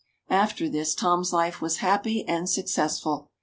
After this Tom's hfe was happy and successful.